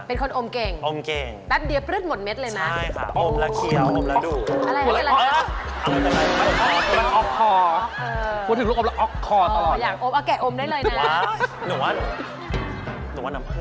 เป็นคนอมเก่งอมเก่งแป๊บเดียวปลื่นหมดเม็ดเลยนะ